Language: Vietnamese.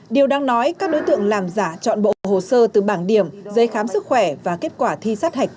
điều đang nói các đối tượng làm giả chọn bộ hồ sơ từ bảng điểm giấy khám sức khỏe và kết quả thi sát hạch